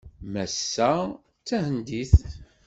Massa-a d tahendit.